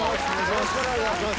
よろしくお願いします。